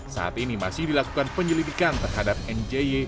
saat ini masih dilakukan penyelidikan terhadap njy